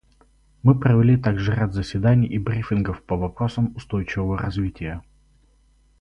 Мы провели также ряд заседаний и брифингов по вопросам устойчивого развития.